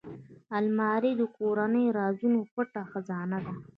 الماري د کورنۍ رازونو پټ خزانه ده